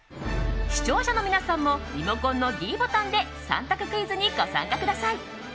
視聴者の皆さんもリモコンのｄボタンで３択クイズにご参加ください。